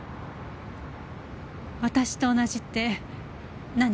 私と同じって何？